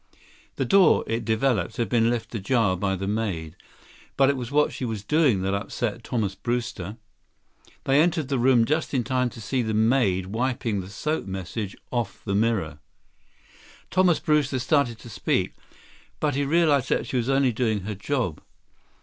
71 The door, it developed, had been left ajar by the maid, but it was what she was doing that upset Thomas Brewster. They entered the room just in time to see the maid wipe the soap message off the mirror. Thomas Brewster started to speak, but he realized that she was only doing her job.